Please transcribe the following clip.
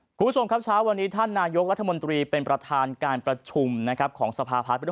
คุณผู้ชมครับเช้าวันนี้ท่านนายกรัฐมนตรีเป็นประธานการประชุมนะครับของสภาพัฒน์